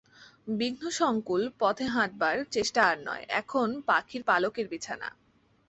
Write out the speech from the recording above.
বিঘ্নসঙ্কুল পথে হাঁটবার চেষ্টা আর নয়, এখন পাখীর পালকের বিছানা।